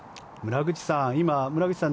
村口さん